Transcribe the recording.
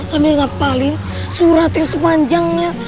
sambil ngapalin surat yang sepanjangnya